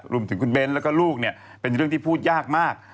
รวมถึงคุณเบ้นแล้วก็ลูกเนี่ยเป็นเรื่องที่พูดยากมาก